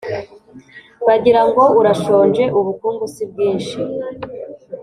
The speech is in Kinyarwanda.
Bagira ngo urashonjeUbukungu si bwinshi.